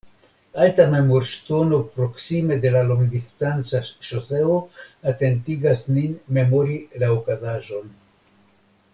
Alta memorŝtono proksime de la longdistanca ŝoseo atentigas nin memori la okazaĵon.